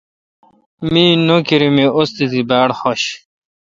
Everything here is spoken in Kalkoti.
می نوکری می استادی باڑخوش این۔